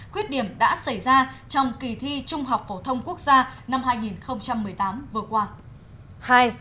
khuyết điểm đã xảy ra trong kỳ thi trung học phổ thông quốc gia năm hai nghìn một mươi tám vừa qua